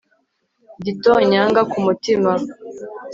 gitonyanga ku mutima